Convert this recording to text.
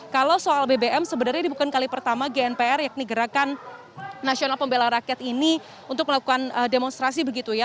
kalau soal bbm sebenarnya ini bukan kali pertama gnpr yakni gerakan nasional pembela rakyat ini untuk melakukan demonstrasi begitu ya